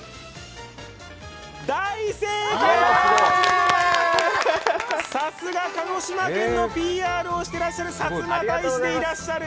大正解でーす、さすが鹿児島県のＰＲをしてらっしゃるさつま大使でいらっしゃる。